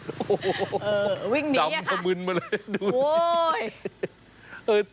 โอ้โฮจำทะมึนมาเลยดูนี่